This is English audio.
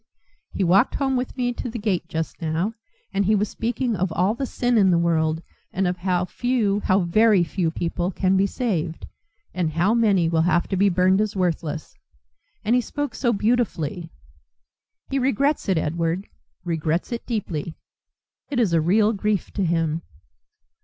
He walked home with me to the gate just now, and he was speaking of all the sin in the world, and of how few, how very few people, can be saved, and how many will have to be burned as worthless; and he spoke so beautifully. He regrets it, Edward, regrets it deeply. It is a real grief to him."